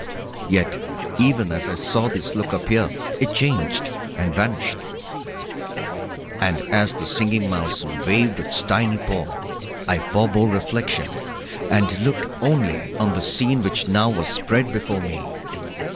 Yet even as I saw this look appear it changed and vanished. And as the Singing Mouse waved its tiny paw I forbore reflection and looked only on the scene which now was spread before me.